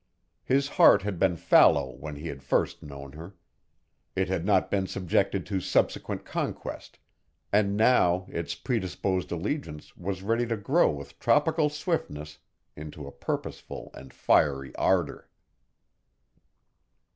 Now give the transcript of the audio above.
His heart had been fallow when he had first known her. It had not been subjected to subsequent conquest and now its predisposed allegiance was ready to grow with tropical swiftness into a purposeful and fiery ardor.